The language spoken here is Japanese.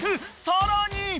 ［さらに］